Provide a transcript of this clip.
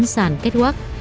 sản kết quắc